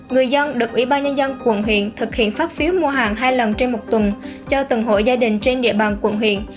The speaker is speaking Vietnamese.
người dân được ủy ban nhân dân quận huyện thực hiện phát phiếu mua hàng hai lần trên một tuần cho từng hội gia đình trên địa bàn quận huyện